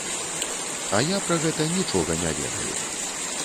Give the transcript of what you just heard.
А я пра гэта нічога не ведаю.